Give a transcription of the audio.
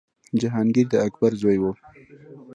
جهانګیر د اکبر زوی و.